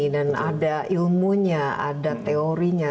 dan ada ilmunya ada teorinya